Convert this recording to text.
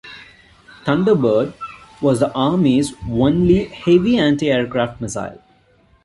Thunderbird was the Army's only heavy anti-aircraft missile.